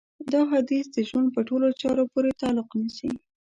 دا حديث د ژوند په ټولو چارو پورې تعلق نيسي.